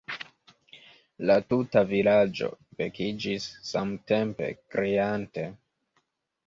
La tuta vilaĝo vekiĝis samtempe, kriante.